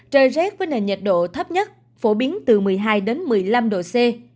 trời rét với nền nhiệt độ thấp nhất phổ biến từ một mươi hai một mươi năm độ c